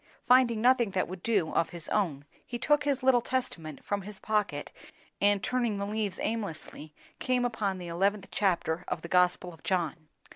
Finding nothing that would do, of his own, he took his little Testament from his pocket, and turning the leaves aimlessly came upon the eleventh chapter of the Gospel of John.